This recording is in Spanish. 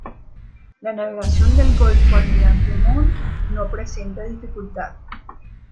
La navegación del golfo Almirante Montt no presenta dificulta.